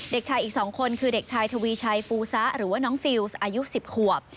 เด็กชายอีก๒คนคือเด็กชายทวีชัยฟูซะหรือว่าน้องฟิลส์อายุ๑๐ขวบ